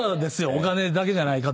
お金だけじゃない方。